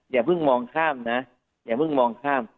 อย่าเพิ่งมองข้ามนะอย่าเพิ่งมองข้าม